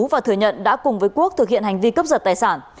và thừa nhận đã cùng với quốc thực hiện hành vi cướp giật tài sản